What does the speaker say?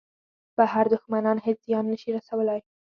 بهر دوښمنان هېڅ زیان نه شي رسولای.